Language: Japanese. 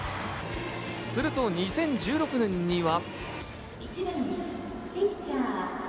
すると２０１６年には。